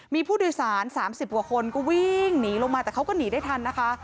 มีผู้โดยสาร๓๐กว่าคนก็วิ่งหนีลงมาแต่เขาก็หนีได้ทันนะคะ